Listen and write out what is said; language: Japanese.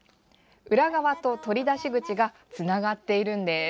裏側と取り出し口がつながっているんです。